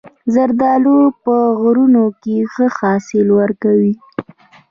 زردالو په غرونو کې ښه حاصل ورکوي.